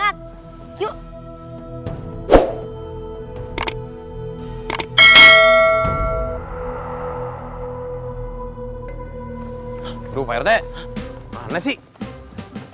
aduh pak yodet mana sih